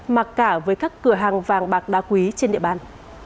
mà cả với các cửa hàng vàng bạc đá quý trên địa bàn